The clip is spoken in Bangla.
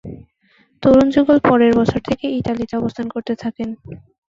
তরুণ যুগল পরের বছর থেকে ইতালিতে অবস্থান করতে থাকেন।